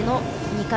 ２回